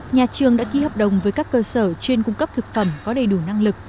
nhà trường đã ký hợp đồng với các cơ sở chuyên cung cấp thực phẩm có đầy đủ năng lực